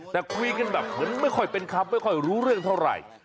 แต่คุยกันแบบเหมือนไม่ค่อยเป็นคำไม่ค่อยรู้เรื่องเท่าไหร่